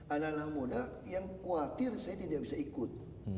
adalah muda yang khawatir saya tidak bisa ikut